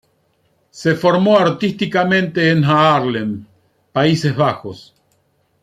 Se formó artísticamente en Haarlem, Países Bajos.